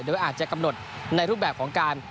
โดยอาจจะกำหนดในรูปแบบของการ